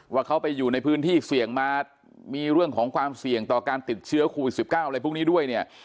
ว่าเขาไปอยู่ในพื้นที่เสี่ยงมามีเรื่องของความเสี่ยงต่อการติดเชื้อโควิด๑๙อะไรพวกนี้ด้วยเนี่ย